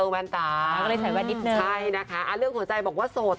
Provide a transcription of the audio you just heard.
แว่นตาใช่นะคะเรื่องหัวใจบอกว่าโสด